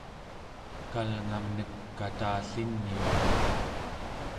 kalngamnek katalliniuq